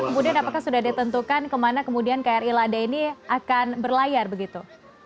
kemudian apakah sudah ditentukan kemana kemudian kri lada ini akan berlayar begitu